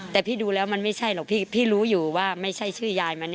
แต่พี่ดูแล้วมันไม่ใช่หรอกพี่รู้อยู่ว่าไม่ใช่ชื่อยายมัน